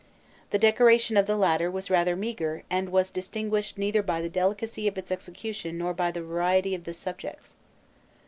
The decoration of the latter was rather meagre, and was distinguished neither by the delicacy of its execution nor by the variety of the subjects.